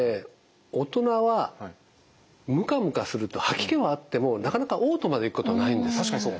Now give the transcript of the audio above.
大人はムカムカすると吐き気はあってもなかなかおう吐までいくことはないんです。